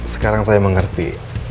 sekarang saya mengerti